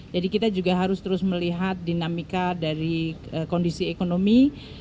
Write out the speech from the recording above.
jadi kita juga harus terus melihat dinamika dari kondisi ekonomi